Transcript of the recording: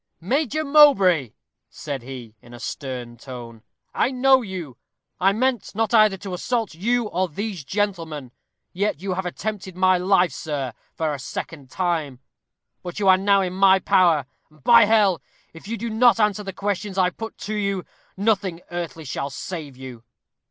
"Major Mowbray," said he, in a stern tone, "I know you. I meant not either to assault you or these gentlemen. Yet you have attempted my life, sir, a second time. But you are now in my power, and by hell! if you do not answer the questions I put to you, nothing earthly shall save you."